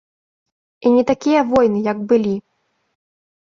І не такія войны, як былі.